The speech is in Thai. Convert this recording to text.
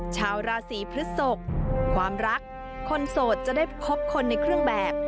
ชาวราศีพฤศกความรักคนโสดจะได้พบคนในเครื่องแบบ